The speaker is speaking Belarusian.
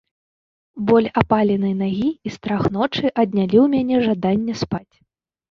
Боль апаленай нагі і страх ночы аднялі ў мяне жаданне спаць.